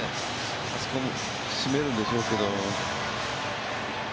あそこもしめるんでしょうけど。